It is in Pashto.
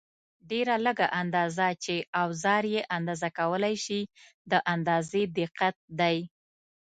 ډېره لږه اندازه چې اوزار یې اندازه کولای شي د اندازې دقت دی.